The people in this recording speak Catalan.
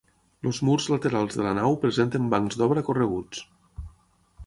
Els murs laterals de la nau presenten bancs d'obra correguts.